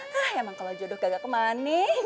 hah emang kalau jodoh gagak kemaning